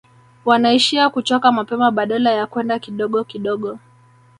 Wanaishia kuchoka mapema badala ya kwenda kidogo kidogo